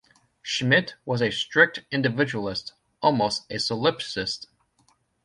Schmidt was a strict individualist, almost a solipsist.